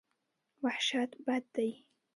وحشت بد دی.